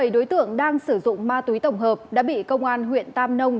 một mươi bảy đối tượng đang sử dụng ma túy tổng hợp đã bị công an huyện tam nông